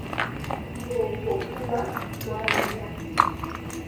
Okwo kuba kwayira.